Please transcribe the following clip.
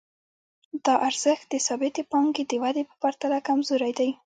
دا ارزښت د ثابتې پانګې د ودې په پرتله کمزوری دی